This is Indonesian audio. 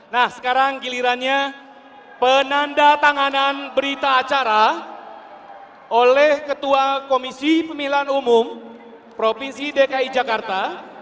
nah sekarang gilirannya penanda tanganan berita acara oleh ketua komisi pemilihan umum provinsi dki jakarta